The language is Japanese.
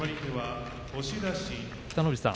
北の富士さん